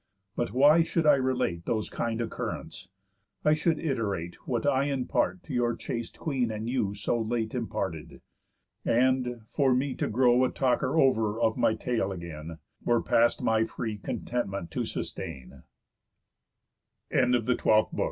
But why should I relate Those kind occurrents? I should iterate What I in part to your chaste queen and you So late imparted. And, for me to grow A talker over of my tale again, Were past my free contentment to sustain." FINIS DUODECIMI LIBRI HOM. ODYS